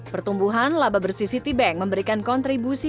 pertumbuhan laba bersih citibank memberikan kontribusi